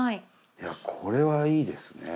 いやこれはいいですね。